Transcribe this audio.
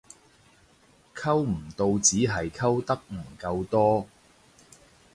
溝唔到只係溝得唔夠多